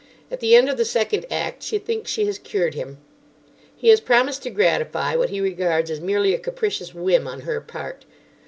At the end of the second act she thinks she has cured him. He has promised to gratify what he regards as merely a capricious whim on her part.